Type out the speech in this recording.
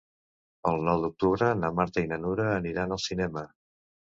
El nou d'octubre na Marta i na Nura aniran al cinema.